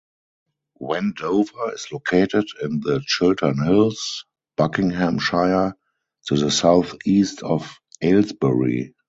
Wendover is located in the Chiltern Hills, Buckinghamshire, to the south-east of Aylesbury.